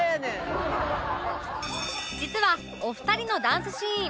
実はお二人のダンスシーン